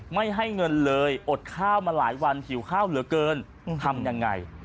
ไม่ให้เงินเลยอดข้าวมาหลายวันหิวข้าวเหลือเกินทำยังไง